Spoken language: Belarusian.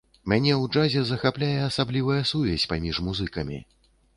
Мяне ў джазе захапляе асаблівая сувязь паміж музыкамі.